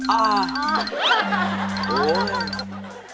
โอ้ย